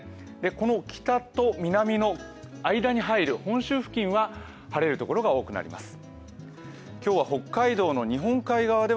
この北と南の間に入る本州付近は晴れるところが多くなります。